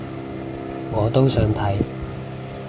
我都想睇